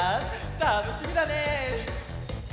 たのしみだね！